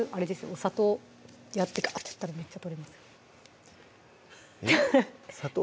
お砂糖やってガッてやったらめっちゃ取れますよえっ砂糖？